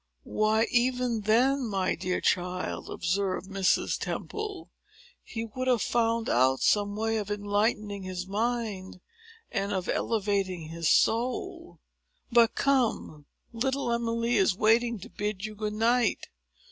"Why, even then, my dear child," observed Mrs. Temple, "he would have found out some way of enlightening his mind, and of elevating his soul. But, come! little Emily is waiting to bid you good night.